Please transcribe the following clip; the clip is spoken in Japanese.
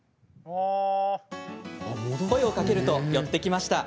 声をかけると、寄ってきました。